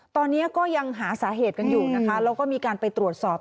ตอนนี้ก็ยังหาสาเหตุกันอยู่นะคะแล้วก็มีการไปตรวจสอบ